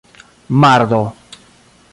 mardo